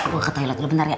gue ke toilet dulu bentar ya